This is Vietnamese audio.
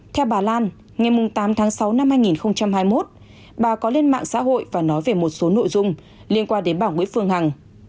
theo bà lan ngày tám tháng sáu năm hai nghìn hai mươi một bà có lên mạng xã hội và nói về một số nội dung liên quan đến bảo nguyễn phương hằng